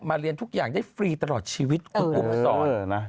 เรียนทุกอย่างได้ฟรีตลอดชีวิตคุณอุ้มสอน